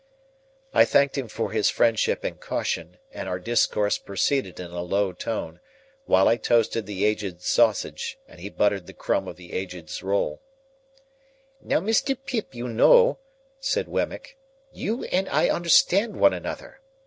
I thanked him for his friendship and caution, and our discourse proceeded in a low tone, while I toasted the Aged's sausage and he buttered the crumb of the Aged's roll. "Now, Mr. Pip, you know," said Wemmick, "you and I understand one another.